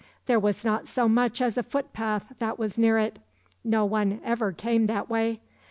There was not so much as a footpath that was near it; no one ever came that way.